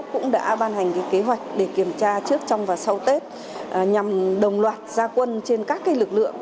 cũng đã ban hành kế hoạch để kiểm tra trước trong và sau tết nhằm đồng loạt gia quân trên các lực lượng